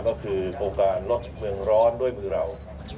ก็คือโครงการลดเมืองร้อนด้วยมือเรา